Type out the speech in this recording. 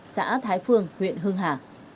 xã thái phương huyện hương hà